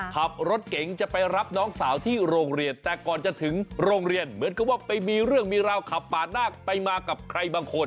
ขับรถเก๋งจะไปรับน้องสาวที่โรงเรียนแต่ก่อนจะถึงโรงเรียนเหมือนกับว่าไปมีเรื่องมีราวขับปาดหน้าไปมากับใครบางคน